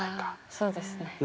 そうですね。